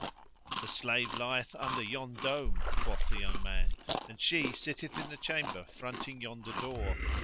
"The slave lieth under yon dome," quoth the young man, "and she sitteth in the chamber fronting yonder door.